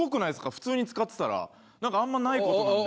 普通に使ってたらなんかあんまない事なので。